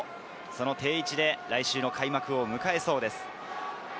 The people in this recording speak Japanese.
定位置で来週の開幕を迎えそうです。